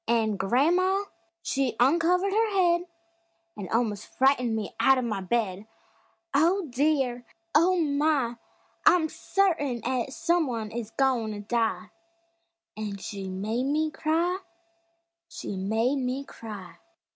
An' gran'ma she uncovered her head An' almos' frightened me out of the bed; "Oh, dear; Oh, my! I'm certain 'at some one is goin' to die!" An' she made me cry She made me cry!